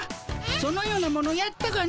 そのようなものやったかの？